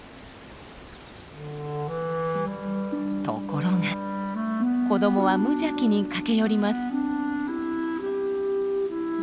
ところが子どもは無邪気に駆け寄ります。